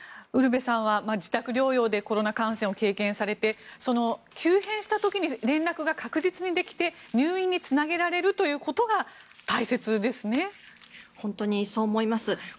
ウルヴェさんは自宅療養でコロナ感染を経験されて急変した時に連絡が確実にできて入院につなげられるということが大切ですね。